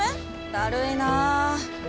だるいな。